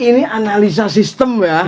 ini analisa sistem ya